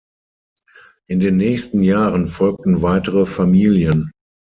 In den nächsten Jahren folgten weitere Familien.